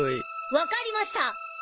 分かりました！